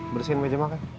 bersihin meja makan